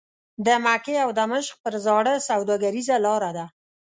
د مکې او دمشق پر زاړه سوداګریزه لاره ده.